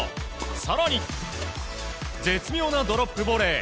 更に、絶妙なドロップボレー。